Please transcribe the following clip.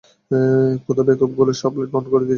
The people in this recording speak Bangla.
খোদা, বেকুব গুলো সব লাইট অন করে দিয়েছে!